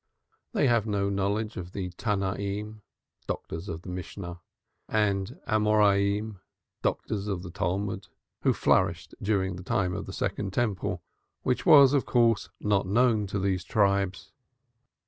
They have no knowledge of the Tanaim (doctors of the Mishnah) and Amoraim (doctors of the Talmud), who flourished during the time of the second Temple, which was, of course, not known to these tribes.